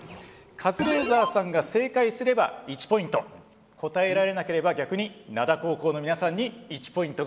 カズレーザーさんが正解すれば１ポイント答えられなければ逆に灘高校の皆さんに１ポイントが入ります。